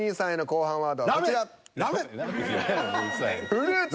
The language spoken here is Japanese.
「フルーツ」。